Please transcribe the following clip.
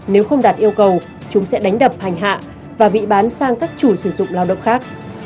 nếu không đạt yêu cầu chúng sẽ đánh đập hành hạ và bị bán sang các chủ sử dụng lao động khác